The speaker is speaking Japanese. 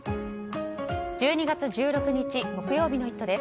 １２月１６日、木曜日の「イット！」です。